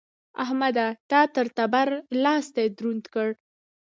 احمده! تا تر تبر؛ لاستی دروند کړ.